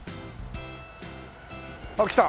あっ来た！